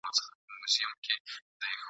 چي پر تا به قضاوت کړي او شاباس درباندي اوري ..